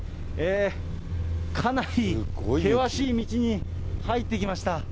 かなり険しい道に入ってきました。